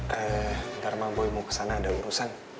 bentar mam boy mau kesana ada urusan